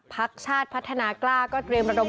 พักชาติพัฒนากล้าก็เตรียมระดม